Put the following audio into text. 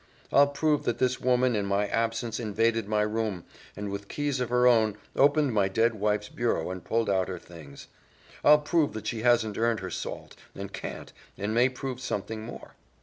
I'll prove that this woman, in my absence, invaded my room, and with keys of her own opened my dead wife's bureau and pulled out her things. I'll prove that she hasn't earned her salt and can't, and may prove something more.